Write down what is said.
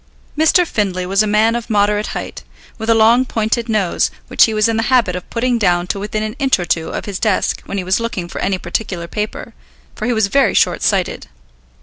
Mr. Findlay was a man of moderate height, with a long pointed nose which he was in the habit of putting down to within an inch or two of his desk when he was looking for any particular paper, for he was very short sighted.